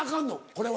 これは。